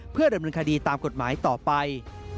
เพื่อดำเนินคดีตามกฎหมายต่อไป